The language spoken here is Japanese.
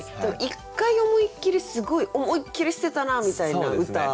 一回思いっきりすごい思いっきり捨てたなみたいな歌とかね。